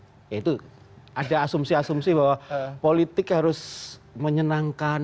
ya itu ada asumsi asumsi bahwa politik harus menyenangkan